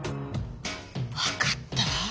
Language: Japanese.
わかったわ！